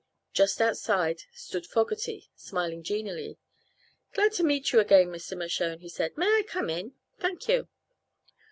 Just outside stood Fogerty, smiling genially. "Glad to meet you again, Mr. Mershone," he said. "May I come in? Thank you."